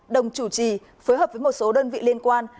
đồng chủ trì phối hợp với một số đơn vị liên quan